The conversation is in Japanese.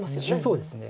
そうですね。